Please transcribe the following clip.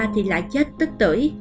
thì lại chết tức tử